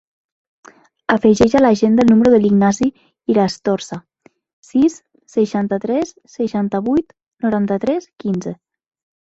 Afegeix a l'agenda el número de l'Ignasi Irastorza: sis, seixanta-tres, seixanta-vuit, noranta-tres, quinze.